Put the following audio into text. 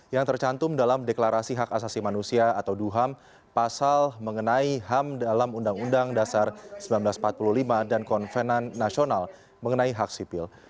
yang tercantum dalam deklarasi hak asasi manusia atau duham pasal mengenai ham dalam undang undang dasar seribu sembilan ratus empat puluh lima dan konvenan nasional mengenai hak sipil